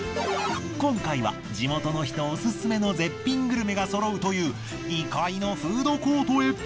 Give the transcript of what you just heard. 今回は地元の人オススメの絶品グルメがそろうという２階のフードコートへ。